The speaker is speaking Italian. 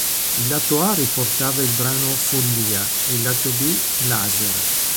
Il lato A riportava il brano "Follia" e il lato B "Laser".